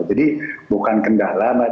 jadi bukan kendala mbak